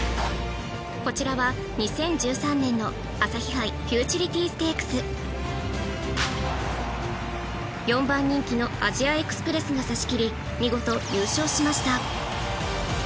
こちらは２０１３年の朝日杯フューチュリティステークス４番人気のアジアエクスプレスが差し切り見事優勝しました